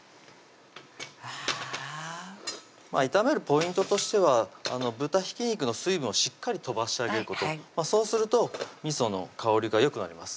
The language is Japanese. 炒めるポイントとしては豚ひき肉の水分をしっかり飛ばしてあげることそうすると味の香りがよくなります